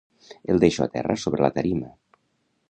El deixo a terra sobre la tarima.